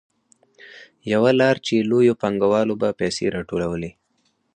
یوه لار چې لویو پانګوالو به پیسې راټولولې